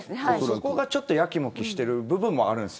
そこがやきもきしてる部分があるんです。